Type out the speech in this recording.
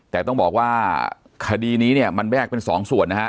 แต่ต้องบอกว่าคดีนี้เนี่ยมันแยกเป็นสองส่วนนะฮะ